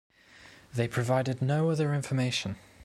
They provided no other information.